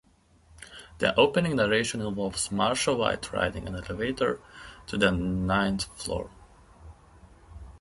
The opening narration involves Marsha White riding an elevator to the ninth floor.